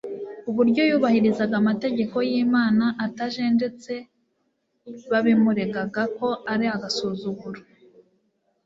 Uburyo yubahirizaga amategeko y'Imana atajenjetse babimuregaga ko ari agasuzuguro.